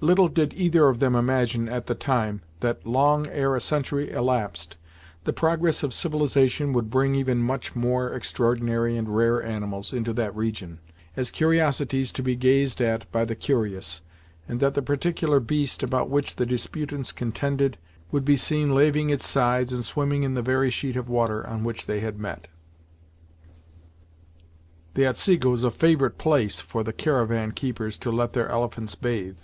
Little did either of them imagine at the time that long ere a century elapsed, the progress of civilization would bring even much more extraordinary and rare animals into that region, as curiosities to be gazed at by the curious, and that the particular beast, about which the disputants contended, would be seen laving its sides and swimming in the very sheet of water, on which they had met. [The Otsego is a favorite place for the caravan keepers to let their elephants bathe.